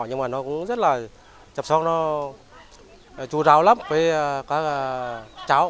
nhưng mà nó cũng rất là chăm sóc nó chú ráo lắm với các cháu